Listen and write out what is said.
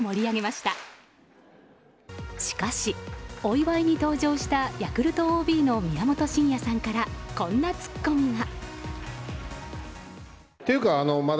しかし、お祝いに登場したヤクルトＯＢの宮本慎也からこんなツッコミが。